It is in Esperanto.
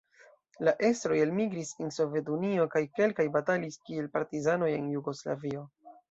La estroj elmigris en Sovetunio kaj kelkaj batalis kiel partizanoj en Jugoslavio.